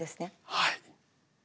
はい。